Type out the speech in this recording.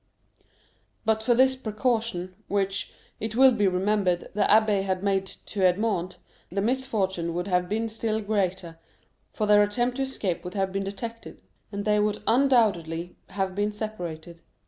But for this precaution, which, it will be remembered, the abbé had made to Edmond, the misfortune would have been still greater, for their attempt to escape would have been detected, and they would undoubtedly have been separated.